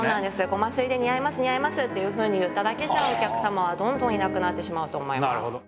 ごますりで「似合います似合います」っていうふうに言っただけじゃお客様はどんどんいなくなってしまうと思います。